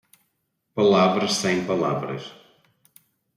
Palavras sem palavras